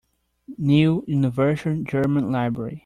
New Universal German Library